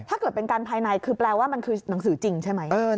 ถ้าเกิดเป็นการภายในคือแปลว่ามันคือหนังสือจริงใช่ไหม